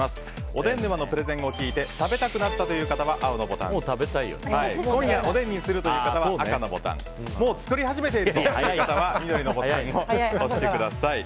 おでん沼のプレゼンを聞いて食べたくなったという方は青のボタン今夜おでんにするという方は赤のボタンもう作り始めているという方は緑のボタンを押してください。